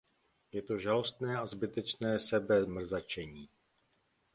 Je to žalostné a zbytečné sebemrzačení.